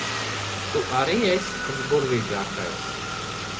Tu arī esi pats burvīgākais.